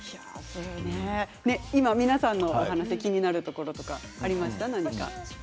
今、皆さんのお話気になるところとかありましたか。